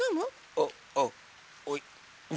あっあっはい。